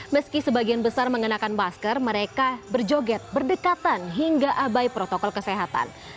meski sebagian besar mengenakan masker mereka berjoget berdekatan hingga abai protokol kesehatan